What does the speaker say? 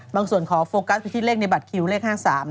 ขอโฟกัสไปที่เลขในบัตรคิวเลข๕๓